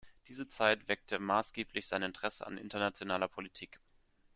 Diese Zeit weckte maßgeblich sein Interesse an Internationaler Politik.